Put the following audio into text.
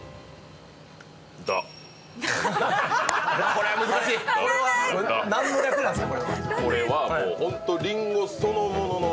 これは難しい、何の略なんですか？